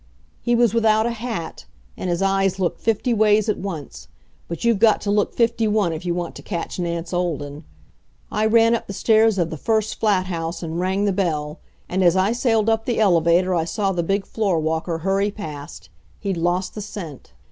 He was without a hat, and his eyes looked fifty ways at once. But you've got to look fifty one if you want to catch Nance Olden. I ran up the stairs of the first flat house and rang the bell. And as I sailed up in the elevator I saw the big floor walker hurry past; he'd lost the scent.